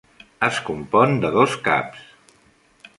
Es compon de dos caps.